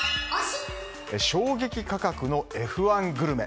衝撃価格のＦ１グルメ。